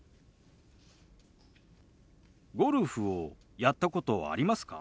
ゴルフをやったことありますか？